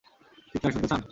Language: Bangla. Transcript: চিৎকার শুনতে চান?